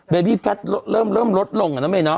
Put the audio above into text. บยอบแฟทเริ่มลดลงกันไหมเนาะ